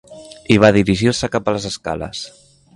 I va dirigir-se cap a les escales.